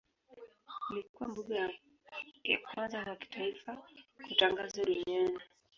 Ilikuwa mbuga ya kwanza wa kitaifa kutangazwa duniani.